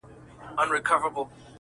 په تور تم کي په تیاروکي لاري ویني -